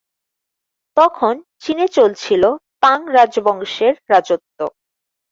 তখন চীনে চলছিল তাং রাজবংশের রাজত্ব।